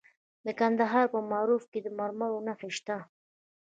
د کندهار په معروف کې د مرمرو نښې شته.